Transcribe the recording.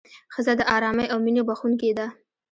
ښځه د ارامۍ او مینې بښونکې ده.